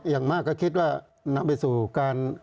อย่างมากก็คิดว่านำไปสู่การ